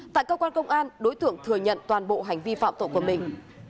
tại cơ quan công an đối tượng thừa nhận toàn bộ hành vi phạm tội của mình